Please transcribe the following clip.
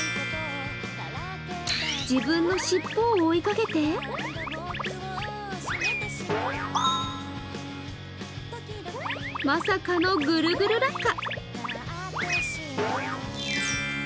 自分の尻尾を追いかけてまさかのぐるぐる落下。